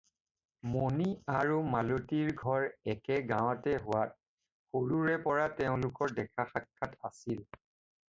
মণি আৰু মালতীৰ ঘৰ একে গাৱঁতে হোৱাত সৰুৰে পৰা তেওঁলোকৰ দেখা-সাক্ষাৎ আছিল।